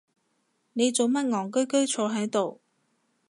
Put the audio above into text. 你做乜戇居居坐係度？